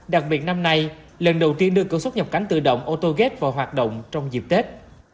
đặc biệt năm nay lần đầu tiên đưa cửa xuất nhập cảnh tự động autogate vào hoạt động trong dịp tết